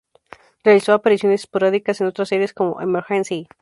Realizó apariciones esporádicas en otras series como "Emergency!